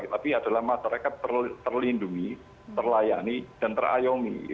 tapi adalah masyarakat terlindungi terlayani dan terayomi